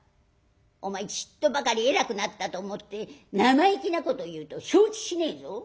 お前ちっとばかり偉くなったと思って生意気なこと言うと承知しねえぞ。